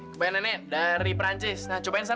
kebanyakan nenek dari prancis nah cobain sana